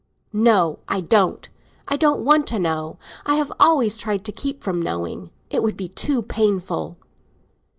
"No, I don't. I don't want to know. I have always tried to keep from knowing. It would be too painful."